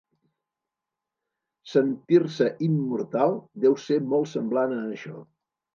Sentir-se immortal deu ser molt semblant a això.